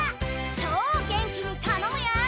超元気に頼むよ！